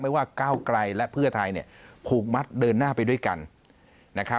ว่าก้าวไกลและเพื่อไทยผูกมัดเดินหน้าไปด้วยกันนะครับ